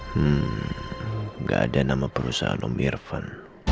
hmm gak ada nama perusahaan om irfan